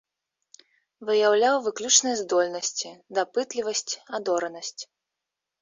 Выяўляў выключныя здольнасці, дапытлівасць, адоранасць.